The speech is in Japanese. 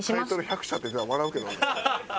「１００社」って出たら笑うけどな。